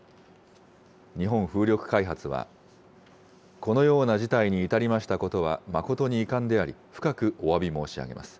日本風力開発は、このような事態に至りましたことは誠に遺憾であり、深くおわび申し上げます。